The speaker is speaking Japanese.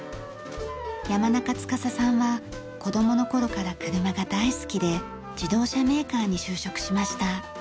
山中司さんは子供の頃から車が大好きで自動車メーカーに就職しました。